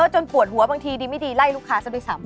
หัวหัวบางทีดีไม่ดีไล่ลูกค้าซักทีสาม